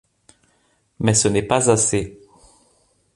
Mais ce n'est pas assez.